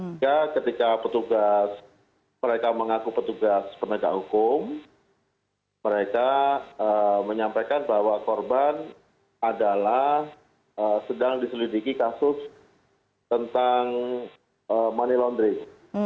sehingga ketika petugas mereka mengaku petugas penegak hukum mereka menyampaikan bahwa korban adalah sedang diselidiki kasus tentang money laundering